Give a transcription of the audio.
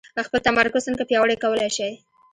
خپل تمرکز څنګه پياوړی کولای شئ؟